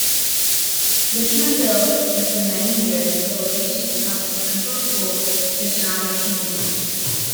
Richmondville was for many years the location of the Central School for surrounding communities.